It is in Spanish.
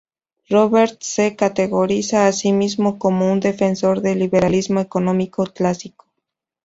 Roberts se categoriza a sí mismo como un defensor del liberalismo económico clásico.